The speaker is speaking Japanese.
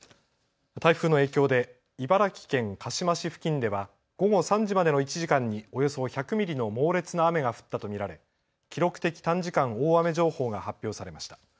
台風の影響で茨城県鹿嶋市付近では午後３時までの１時間におよそ１００ミリの猛烈な雨が降ったと見られ記録的短時間大雨情報が発表されました。